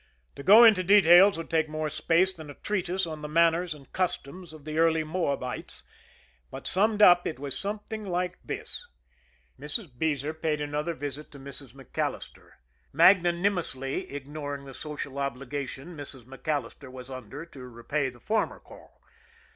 To go into details would take more space than a treatise on the manners and customs of the early Moabites; but, summed up, it was something like this: Mrs. Beezer paid another visit to Mrs. MacAllister, magnanimously ignoring the social obligation Mrs. MacAllister was under to repay the former call.